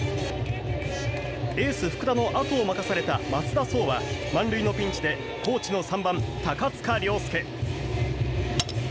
エース福田のあとを任された増田壮は満塁のピンチで高知の３番、高塚涼丞。